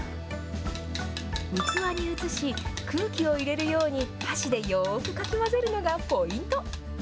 器に移し、空気を入れるように、箸でよーくかき混ぜるのがポイント。